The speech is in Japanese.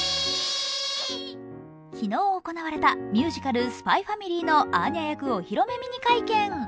昨日行われたミュージカル「ＳＰＹ×ＦＡＭＩＬＹ」のアーニャ役お披露目ミニ会見。